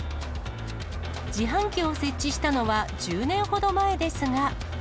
自販機を設置したのは１０年ほど前ですが。